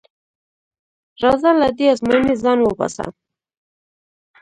راځه له دې ازموینې ځان وباسه.